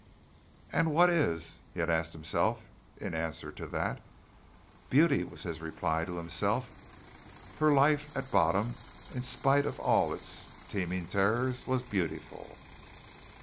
"And what is?" he had asked himself in answer to that. "Beauty," was his reply to himself, for life at bottom, in spite of all its teeming terrors, was beautiful.